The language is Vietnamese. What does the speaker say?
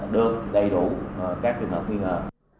được đầy đủ các trường hợp nguyên hợp